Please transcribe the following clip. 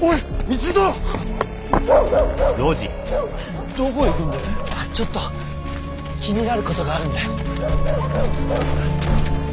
ちょっと気になることがあるんだよ。